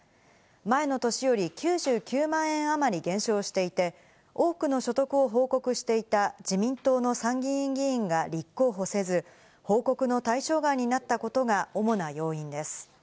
前の年より９９万円あまり減少していて、多くの所得を報告していた自民党の参議院議員が立候補せず、報告の対象外になったことが主な要因です。